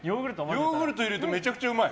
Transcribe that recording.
ヨーグルト入れるとめちゃめちゃうまい！